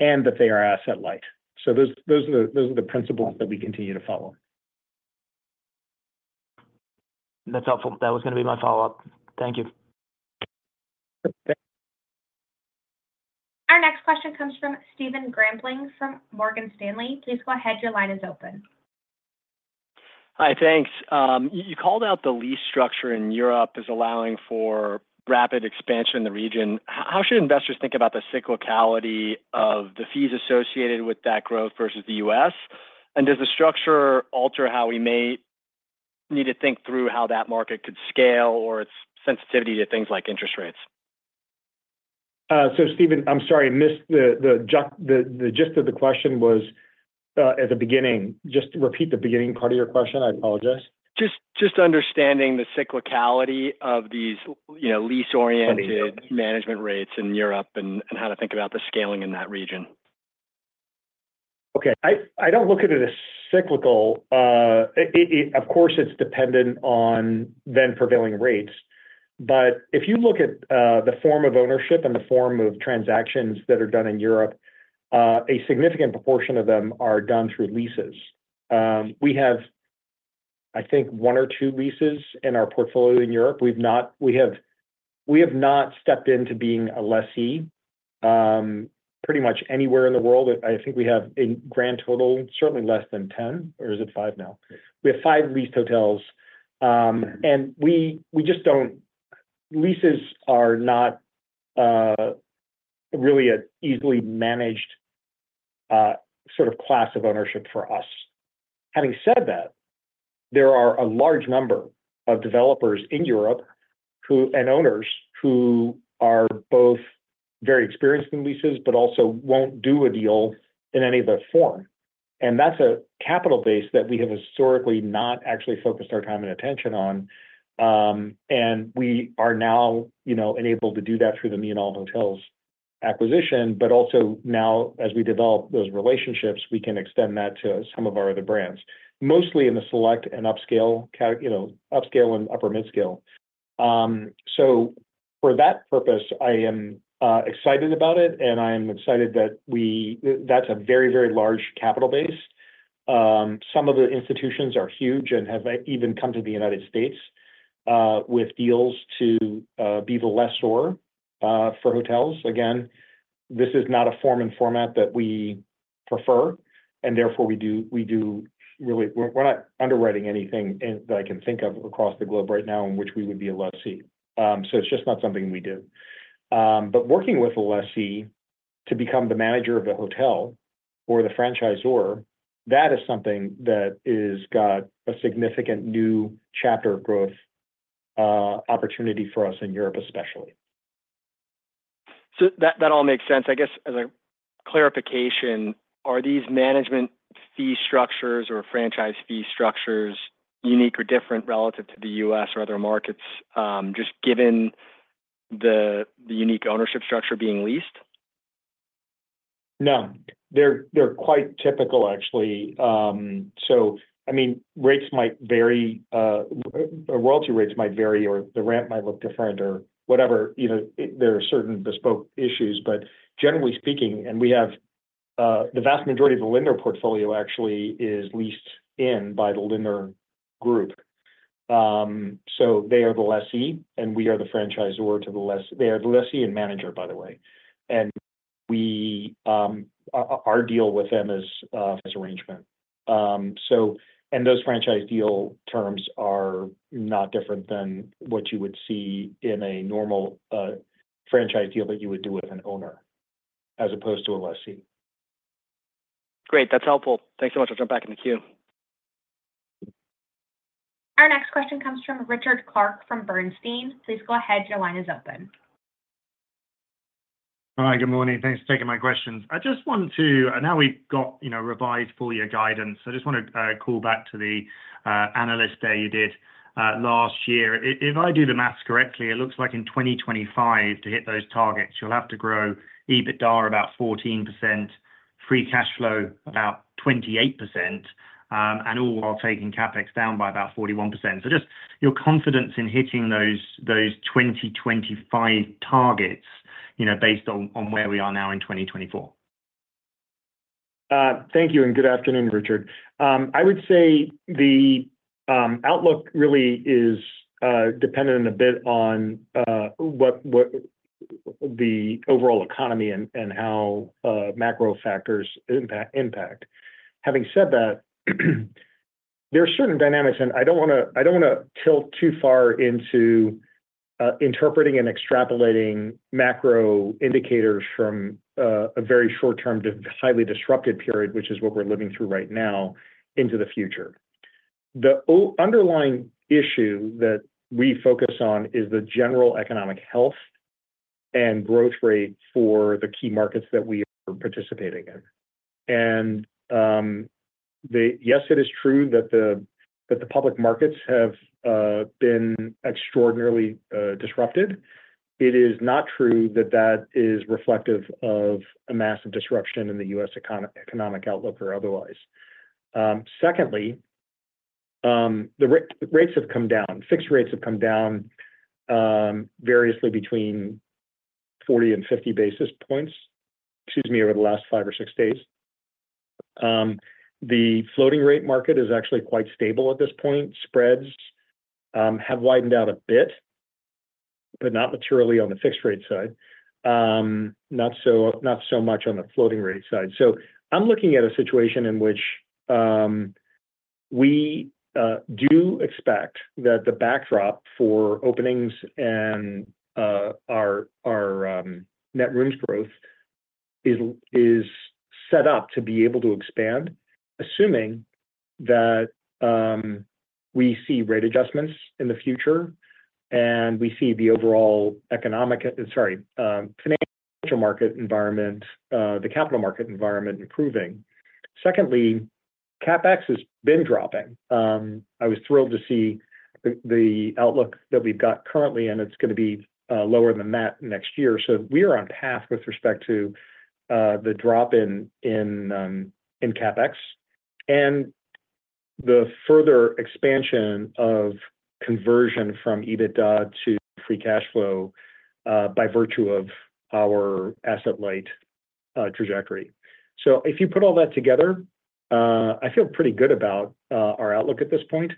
and that they are asset-light. Those are the principles that we continue to follow. That's helpful. That was going to be my follow-up. Thank you. Our next question comes from Stephen Grambling from Morgan Stanley. Please go ahead. Your line is open. Hi, thanks. You called out the lease structure in Europe is allowing for rapid expansion in the region. How should investors think about the cyclicality of the fees associated with that growth versus the U.S.? And does the structure alter how we may need to think through how that market could scale or its sensitivity to things like interest rates? So Stephen, I'm sorry, missed the gist of the question was at the beginning. Just repeat the beginning part of your question. I apologize. Just understanding the cyclicality of these lease-oriented management rates in Europe and how to think about the scaling in that region. Okay. I don't look at it as cyclical. Of course, it's dependent on then prevailing rates. But if you look at the form of ownership and the form of transactions that are done in Europe, a significant proportion of them are done through leases. We have, I think, 1 or 2 leases in our portfolio in Europe. We have not stepped into being a lessee pretty much anywhere in the world. I think we have in grand total, certainly less than 10, or is it 5 now? We have 5 leased hotels. And we just don't. Leases are not really an easily managed sort of class of ownership for us. Having said that, there are a large number of developers in Europe and owners who are both very experienced in leases, but also won't do a deal in any other form. And that's a capital base that we have historically not actually focused our time and attention on. We are now, you know, enabled to do that through the me and all hotels acquisition, but also now, as we develop those relationships, we can extend that to some of our other brands, mostly in the select and upscale and upper-mid scale. So for that purpose, I am excited about it, and I am excited that we that's a very, very large capital base. Some of the institutions are huge and have even come to the United States with deals to be the lessor for hotels. Again, this is not a form and format that we prefer, and therefore we do really we're not underwriting anything that I can think of across the globe right now in which we would be a lessee. So it's just not something we do. But working with a lessee to become the manager of the hotel or the franchisor, that is something that has got a significant new chapter growth opportunity for us in Europe, especially. So that all makes sense. I guess as a clarification, are these management fee structures or franchise fee structures unique or different relative to the U.S or other markets, just given the unique ownership structure being leased? No. They're quite typical, actually. So, I mean, rates might vary. Royalty rates might vary, or the rent might look different or whatever. There are certain bespoke issues, but generally speaking, and we have the vast majority of the Lindner portfolio actually is leased in by the Lindner Group. So they are the lessee, and we are the franchisor to the lessee. They are the lessee and manager, by the way. And our deal with them is arrangement. Those franchise deal terms are not different than what you would see in a normal franchise deal that you would do with an owner as opposed to a lessee. Great. That's helpful. Thanks so much. I'll jump back in the queue. Our next question comes from Richard Clarke from Bernstein. Please go ahead. Your line is open. Hi, good morning. Thanks for taking my questions. I just wanted to now we've got revised full year guidance. I just want to call back to the Analyst Day you did last year. If I do the math correctly, it looks like in 2025, to hit those targets, you'll have to grow EBITDA about 14%, free cash flow about 28%, and all while taking CapEx down by about 41%. So just your confidence in hitting those 2025 targets, you know, based on where we are now in 2024. Thank you. Good afternoon, Richard. I would say the outlook really is dependent a bit on the overall economy and how macro factors impact. Having said that, there are certain dynamics, and I don't want to tilt too far into interpreting and extrapolating macro indicators from a very short-term to highly disruptive period, which is what we're living through right now, into the future. The underlying issue that we focus on is the general economic health and growth rate for the key markets that we are participating in. And yes, it is true that the public markets have been extraordinarily disrupted. It is not true that that is reflective of a massive disruption in the U.S. economic outlook or otherwise. Secondly, the rates have come down. Fixed rates have come down variously between 40-50 basis points, excuse me, over the last 5 or 6 days. The floating rate market is actually quite stable at this point. Spreads have widened out a bit, but not materially on the fixed rate side, not so much on the floating rate side. So I'm looking at a situation in which we do expect that the backdrop for openings and our net rooms growth is set up to be able to expand, assuming that we see rate adjustments in the future and we see the overall economic, sorry, financial market environment, the capital market environment improving. Secondly, CapEx has been dropping. I was thrilled to see the outlook that we've got currently, and it's going to be lower than that next year. So we are on path with respect to the drop in CapEx and the further expansion of conversion from EBITDA to free cash flow by virtue of our asset-light trajectory. So if you put all that together, I feel pretty good about our outlook at this point.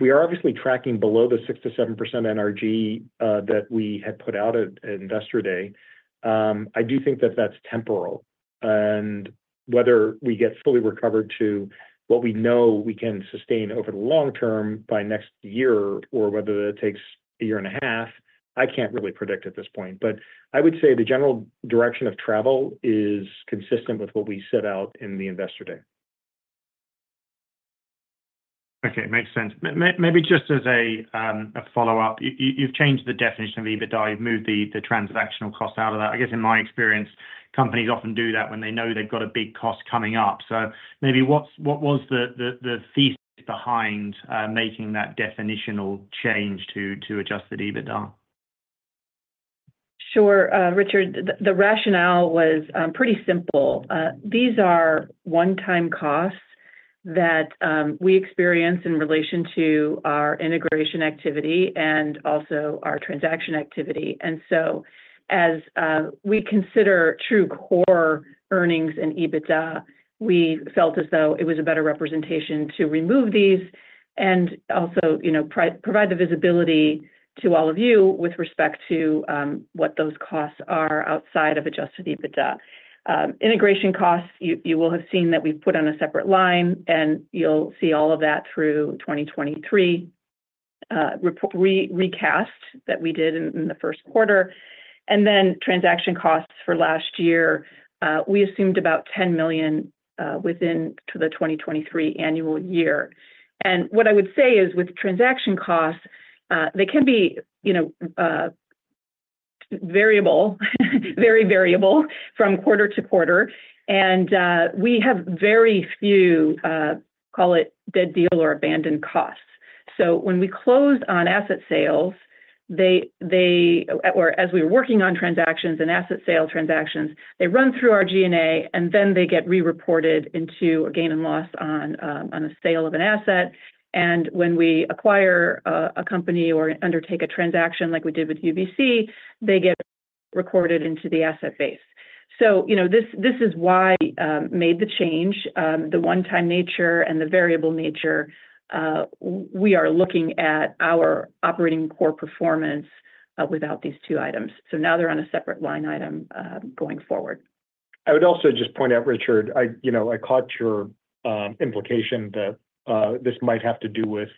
We are obviously tracking below the 6%-7% NRG that we had put out at Investor Day. I do think that that's temporal. And whether we get fully recovered to what we know we can sustain over the long term by next year or whether that takes a year and a half, I can't really predict at this point. But I would say the general direction of travel is consistent with what we set out in the Investor Day. Okay. Makes sense. Maybe just as a follow-up, you've changed the definition of EBITDA. You've moved the transactional cost out of that. I guess in my experience, companies often do that when they know they've got a big cost coming up. So maybe what was the force behind making that definitional change to adjusted EBITDA? Sure, Richard. The rationale was pretty simple. These are one-time costs that we experience in relation to our integration activity and also our transaction activity. And so as we consider true core earnings and EBITDA, we felt as though it was a better representation to remove these and also provide the visibility to all of you with respect to what those costs are outside of adjusted EBITDA. Integration costs, you will have seen that we've put on a separate line, and you'll see all of that through 2023 recast that we did in the first quarter. And then transaction costs for last year, we assumed about $10 million within the 2023 annual year. And what I would say is with transaction costs, they can be variable, very variable from quarter-to-quarter. We have very few, call it dead deal or abandoned costs. So when we close on asset sales, or as we were working on transactions and asset sales transactions, they run through our G&A, and then they get re-reported into a gain and loss on a sale of an asset. When we acquire a company or undertake a transaction like we did with UVC, they get recorded into the asset base. So this is why we made the change, the one-time nature and the variable nature. We are looking at our operating core performance without these two items. So now they're on a separate line item going forward. I would also just point out, Richard, I caught your implication that this might have to do with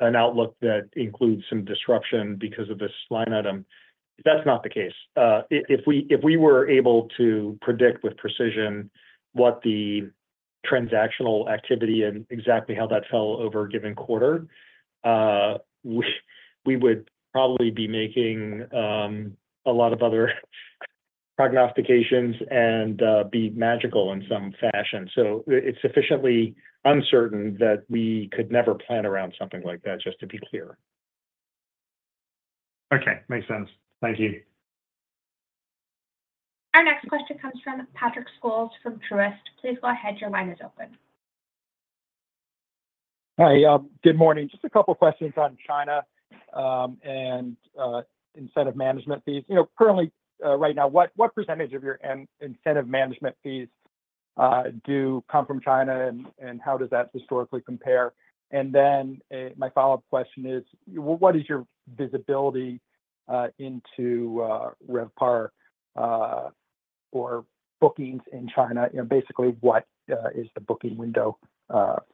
an outlook that includes some disruption because of this line item. That's not the case. If we were able to predict with precision what the transactional activity and exactly how that fell over a given quarter, we would probably be making a lot of other prognostications and be magical in some fashion. So it's sufficiently uncertain that we could never plan around something like that, just to be clear. Okay. Makes sense. Thank you. Our next question comes from Patrick Scholes from Truist. Please go ahead. Your line is open. Hi. Good morning. Just a couple of questions on China and incentive management fees. Currently, right now, what percentage of your incentive management fees do come from China, and how does that historically compare? And then my follow-up question is, what is your visibility into RevPAR or bookings in China? Basically, what is the booking window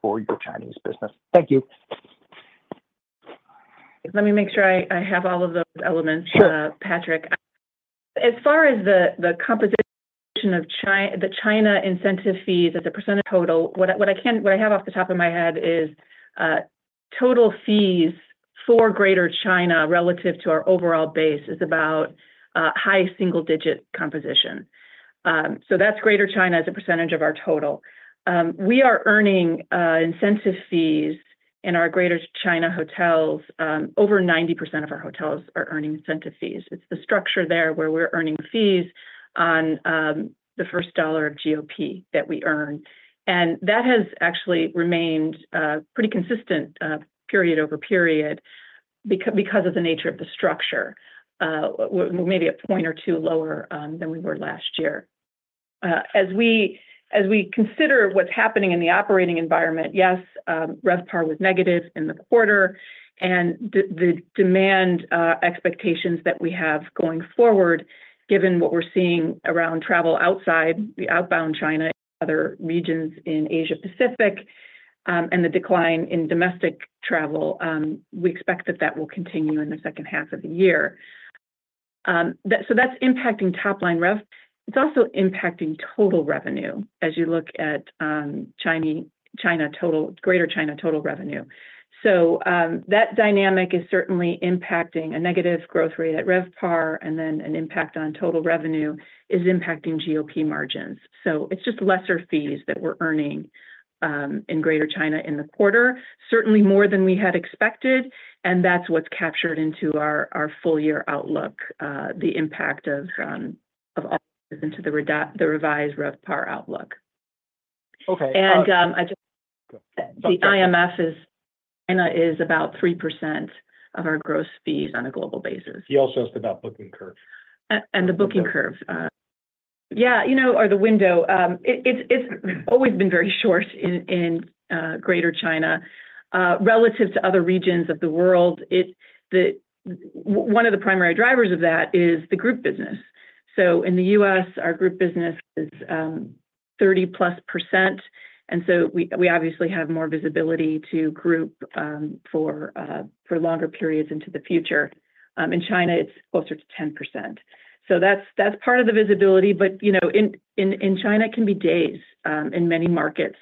for your Chinese business? Thank you. Let me make sure I have all of those elements, Patrick. As far as the composition of the China incentive fees as a percentage of total, what I have off the top of my head is total fees for Greater China relative to our overall base is about high single-digit composition. So that's Greater China as a percentage of our total. We are earning incentive fees in our Greater China hotels. Over 90% of our hotels are earning incentive fees. It's the structure there where we're earning fees on the first dollar of GOP that we earn. And that has actually remained pretty consistent period over period because of the nature of the structure, maybe a point or two lower than we were last year. As we consider what's happening in the operating environment, yes, RevPAR was negative in the quarter, and the demand expectations that we have going forward, given what we're seeing around travel outside, the outbound China, other regions in Asia-Pacific, and the decline in domestic travel, we expect that that will continue in the second half of the year. So that's impacting top-line Rev. It's also impacting total revenue as you look at Greater China total revenue. So that dynamic is certainly impacting a negative growth rate at RevPAR, and then an impact on total revenue is impacting GOP margins. So it's just lesser fees that we're earning in Greater China in the quarter, certainly more than we had expected, and that's what's captured into our full year outlook, the impact of all into the revised RevPAR outlook. Okay. The IMF is about 3% of our gross fees on a global basis. He also asked about booking curve. The booking curve. Yeah, you know, or the window. It's always been very short in Greater China. Relative to other regions of the world, one of the primary drivers of that is the group business. So in the U.S., our group business is 30%+. And so we obviously have more visibility to group for longer periods into the future. In China, it's closer to 10%. So that's part of the visibility. But in China, it can be days in many markets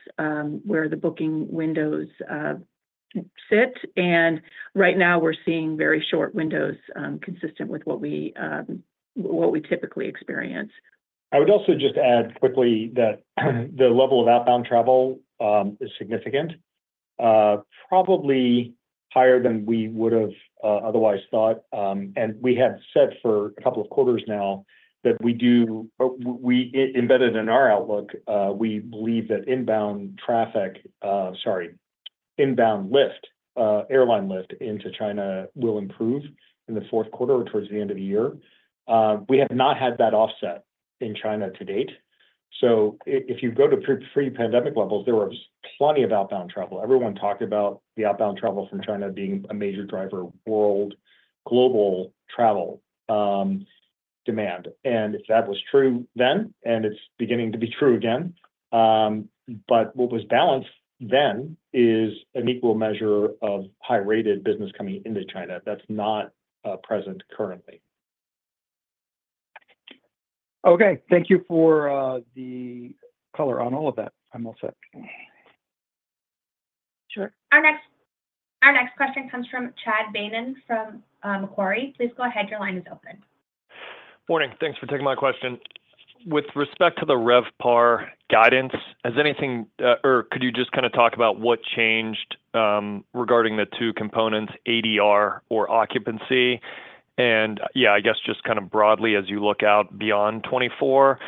where the booking windows sit. And right now, we're seeing very short windows consistent with what we typically experience. I would also just add quickly that the level of outbound travel is significant, probably higher than we would have otherwise thought. And we have said for a couple of quarters now that we do embedded in our outlook, we believe that inbound traffic, sorry, inbound lift, airline lift into China will improve in the fourth quarter or towards the end of the year. We have not had that offset in China to date. So if you go to pre-pandemic levels, there was plenty of outbound travel. Everyone talked about the outbound travel from China being a major driver of world global travel demand. And that was true then, and it's beginning to be true again. But what was balanced then is an equal measure of high-rated business coming into China that's not present currently. Okay. Thank you for the color on all of that, I'm all set. Sure. Our next question comes from Chad Beynon from Macquarie. Please go ahead. Your line is open. Morning. Thanks for taking my question. With respect to the RevPAR guidance, has anything or could you just kind of talk about what changed regarding the two components, ADR or occupancy? And yeah, I guess just kind of broadly as you look out beyond 2024,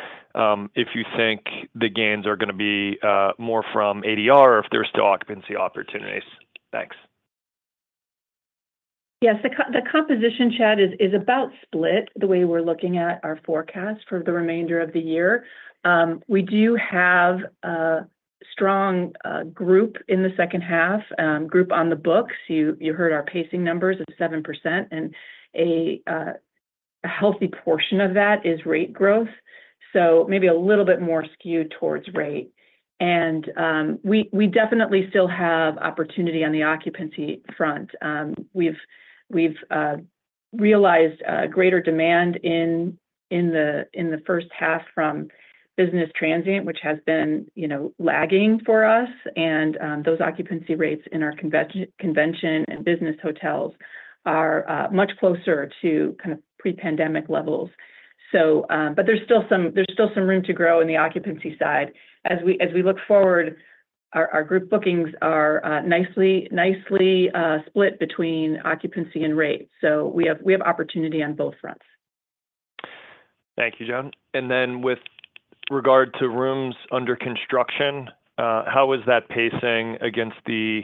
if you think the gains are going to be more from ADR or if there's still occupancy opportunities. Thanks. Yes. The composition, Chad, is about split the way we're looking at our forecast for the remainder of the year. We do have a strong group in the second half, group on the books. You heard our pacing numbers of 7%, and a healthy portion of that is rate growth. So maybe a little bit more skewed towards rate. And we definitely still have opportunity on the occupancy front. We've realized greater demand in the first half from business transient, which has been lagging for us. And those occupancy rates in our convention and business hotels are much closer to kind of pre-pandemic levels. But there's still some room to grow in the occupancy side. As we look forward, our group bookings are nicely split between occupancy and rate. So we have opportunity on both fronts. Thank you, Joan. And then with regard to rooms under construction, how is that pacing against the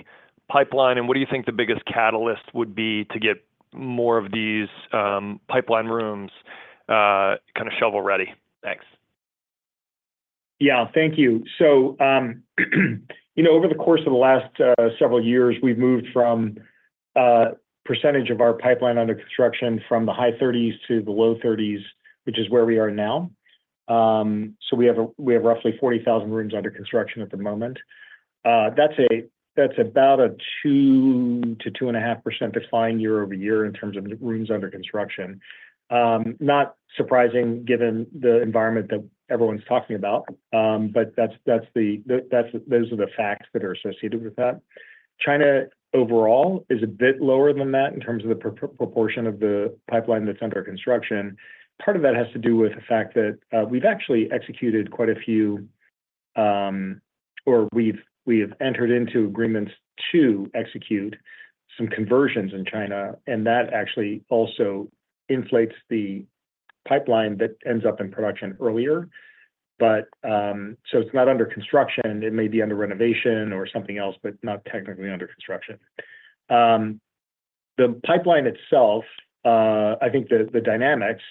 pipeline? And what do you think the biggest catalyst would be to get more of these pipeline rooms kind of shovel ready? Thanks. Yeah. Thank you. So over the course of the last several years, we've moved from percentage of our pipeline under construction from the high 30% to the low 30%, which is where we are now. So we have roughly 40,000 rooms under construction at the moment. That's about a 2%-2.5% decline year-over-year in terms of rooms under construction. Not surprising given the environment that everyone's talking about, but those are the facts that are associated with that. China overall is a bit lower than that in terms of the proportion of the pipeline that's under construction. Part of that has to do with the fact that we've actually executed quite a few, or we've entered into agreements to execute some conversions in China, and that actually also inflates the pipeline that ends up in production earlier. So it's not under construction. It may be under renovation or something else, but not technically under construction. The pipeline itself, I think the dynamics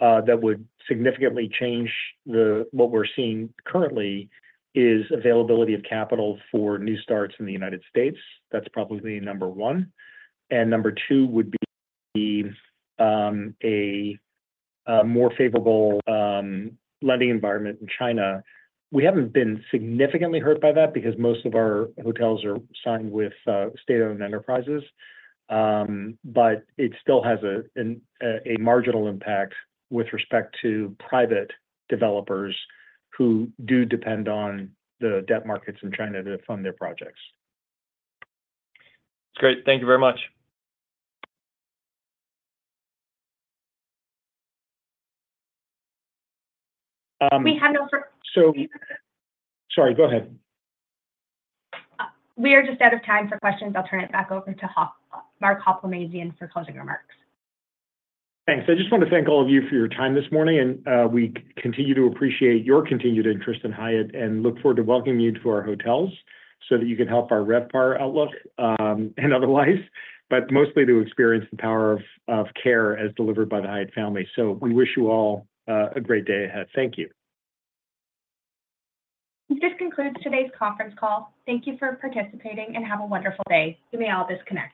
that would significantly change what we're seeing currently is availability of capital for new starts in the United States. That's probably number one. And number two would be a more favorable lending environment in China. We haven't been significantly hurt by that because most of our hotels are signed with state-owned enterprises, but it still has a marginal impact with respect to private developers who do depend on the debt markets in China to fund their projects. Great. Thank you very much. We have no further questions. Sorry, go ahead. We are just out of time for questions. I'll turn it back over to Mark Hoplamazian for closing remarks. Thanks. I just want to thank all of you for your time this morning, and we continue to appreciate your continued interest in Hyatt and look forward to welcoming you to our hotels so that you can help our RevPAR outlook and otherwise, but mostly to experience the power of care as delivered by the Hyatt family. We wish you all a great day ahead. Thank you. This concludes today's conference call. Thank you for participating and have a wonderful day. You may all disconnect.